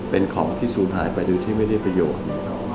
เป็นของที่ศูนย์หายไปโดยที่ไม่ได้ประโยชน์